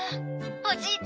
「おじいちゃん